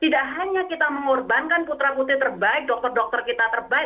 tidak hanya kita mengorbankan putra putri terbaik dokter dokter kita terbaik